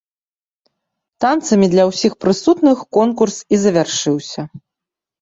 Танцамі для ўсіх прысутных конкурс і завяршыўся.